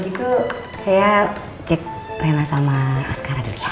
lagi tuh saya cek rena sama aska radeliana udah